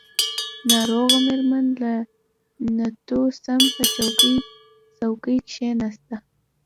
ناروغه مېرمن له ننوتو سم په څوکۍ کښېناسته.